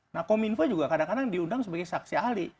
nah kominfo juga kadang kadang diundang sebagai saksi ahli